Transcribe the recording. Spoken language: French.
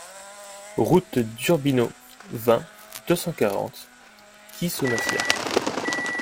Route d'Urbino, vingt, deux cent quarante Ghisonaccia